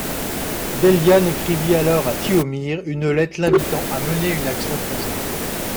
Deljan écrivit alors à Tihomir une lettre l’invitant à mener une action conjointe.